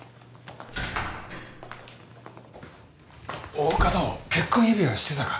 大加戸結婚指輪してたか？